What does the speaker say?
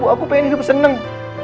aku pengen hidup seneng